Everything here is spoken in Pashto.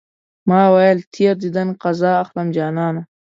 ما ويل تېر ديدن قضا اخلم جانانه